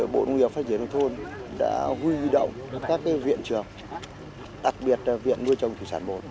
bộ nguyên phát triển hồ thôn đã huy động các viện trường đặc biệt là viện nuôi trồng thủy sản bốn